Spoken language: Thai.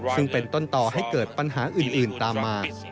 ซึ่งเป็นต้นต่อให้เกิดปัญหาอื่นตามมา